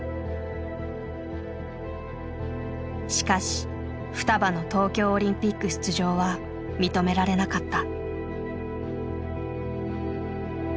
しかしふたばの東京オリンピック出場は認められなかった。